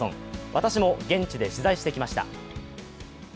私も現地で取材してきました。